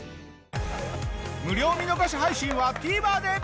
無料見逃し配信はＴＶｅｒで。